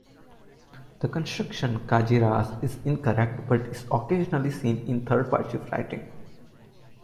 The construction "kajiras" is incorrect, but is occasionally seen in third-party writing.